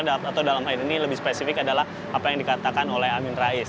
atau dalam hal ini lebih spesifik adalah apa yang dikatakan oleh amin rais